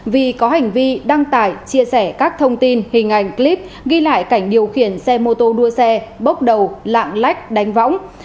vì có hành vi đăng tải chia sẻ các thông tin hình ảnh clip ghi lại cảnh điều khiển xe mô tô đua xe bốc đầu lạng lách đánh võng